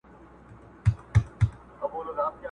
په چا دي ورلېږلي جهاني د قلم اوښکي!.